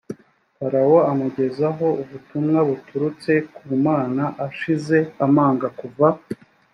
farawo amugezaho ubutumwa buturutse ku mana ashize amanga kuva